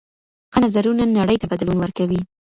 ښه نظرونه نړۍ ته بدلون ورکوي.